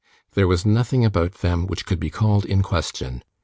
There was nothing about them which could be called in question.